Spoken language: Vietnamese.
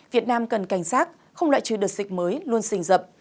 việt nam cần cảnh giác không loại trừ đợt dịch mới luôn sinh dập